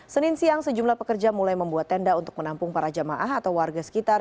senin siang sejumlah pekerja mulai membuat tenda untuk menampung para jamaah atau warga sekitar